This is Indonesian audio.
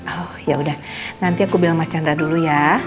oh yaudah nanti aku bilang mas chandra dulu ya